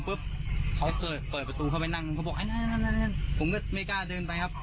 เปิดประตูเข้ามานั่งเค้าบอกนั่นผมก็ไม่กล้าเดินเปล่าครับ